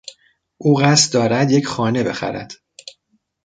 او قصد دارد یک خانه بخرد.